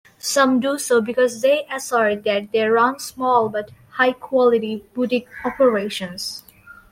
Some do so because they assert that they run small but high-quality "boutique" operations.